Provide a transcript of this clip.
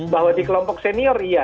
bahwa di kelompok senior iya